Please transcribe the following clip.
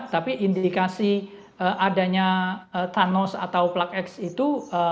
tapi indikasi adanya thanos atau plug x itu